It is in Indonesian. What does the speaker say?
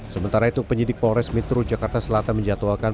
sementara itu penyidik polres metro jakarta selatan menjatuhkan